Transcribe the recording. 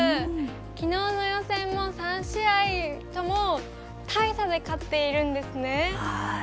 きのうの予選も３試合とも大差で勝っているんですね。